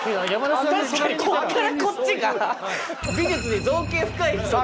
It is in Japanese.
確かにこっからこっちが美術に造詣深い人だね。